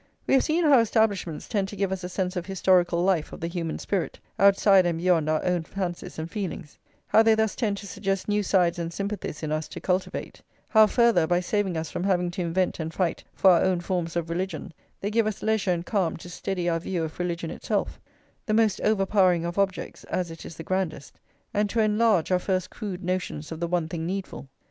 We have seen how establishments tend to give us a sense of a historical life of the human spirit, outside and beyond our own fancies and feelings; how they thus tend to suggest new sides and sympathies in us to cultivate; how, further, by saving us from having to invent and fight for our own forms of religion, they give us leisure and calm to steady our view of religion itself, the most overpowering of objects, as it is the grandest, and to enlarge our first crude notions of the one thing needful.